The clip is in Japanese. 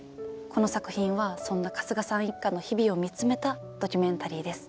この作品はそんな春日さん一家の日々を見つめたドキュメンタリーです。